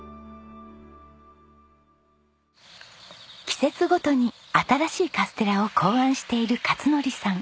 季節ごとに新しいカステラを考案している勝則さん。